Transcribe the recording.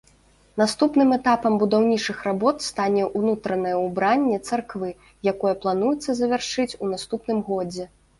Наступным этапам будаўнічых работ стане ўнутранае ўбранне царквы, якое плануецца завяршыць у наступным годзе.